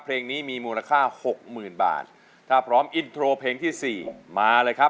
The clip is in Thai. เพลงนี้มีมูลค่าหกหมื่นบาทถ้าพร้อมอินโทรเพลงที่สี่มาเลยครับ